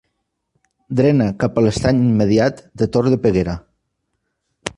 Drena cap a l’estany immediat de Tort de Peguera.